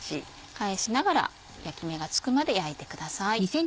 返しながら焼き目がつくまで焼いてください。